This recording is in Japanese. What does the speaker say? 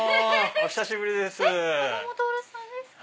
お久しぶりです！